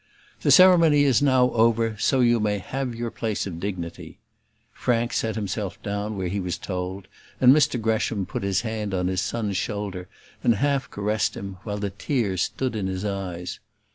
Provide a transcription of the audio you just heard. "The ceremony is now over, so you may have your place of dignity." Frank sat himself down where he was told, and Mr Gresham put his hand on his son's shoulder and half caressed him, while the tears stood in his eyes.